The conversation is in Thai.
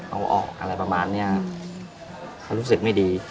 เอาออกอะไรประมาณเนี้ยเขารู้สึกไม่ดี